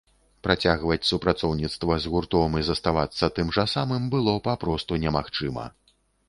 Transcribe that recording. Працягваць супрацоўніцтва з гуртом і заставацца тым жа самым было папросту немагчыма!